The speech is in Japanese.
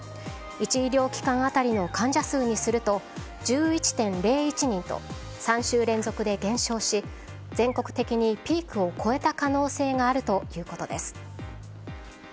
１医療機関当たりの患者数にすると１１．０１人と３週連続で減少し全国的にピークを越えた可能性があるということです。